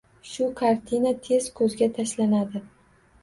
Shu kartina tez ko‘zga tashlanadi.